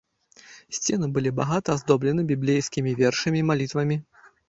Сцены былі багата аздоблены біблейскімі вершамі і малітвамі.